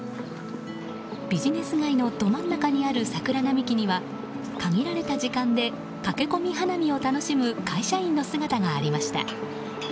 ビジネス街のど真ん中にある桜並木には限られた時間で駆け込み花見を楽しむ会社員の姿がありました。